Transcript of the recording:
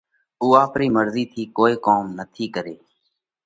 اُو آپرِي مرضِي ٿِي ڪوئي ڪوم نٿِي ڪري